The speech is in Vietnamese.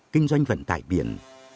kinh doanh vận tải biển